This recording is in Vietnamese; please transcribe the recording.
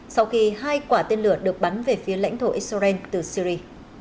sau khi hai quả tên lửa được bắn về phía lãnh thổ israel từ syri